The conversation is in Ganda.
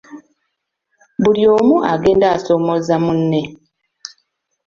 Buli omu agenda asomooza munne.